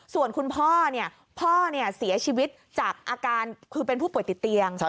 ส่วนคุณพ่อพ่อเสียชีวิตจากอาการคือเป็นผู้ป่วยติดเตียง